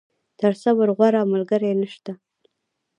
تر صبر، غوره ملګری نشته.